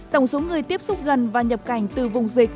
tổng số người tiếp xúc gần và nhập cảnh từ vùng dịch